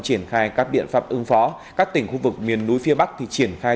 triển khai các biện pháp ứng phó các tỉnh khu vực miền núi phía bắc thì triển khai